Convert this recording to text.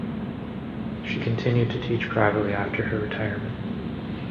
She continued to teach privately after her retirement.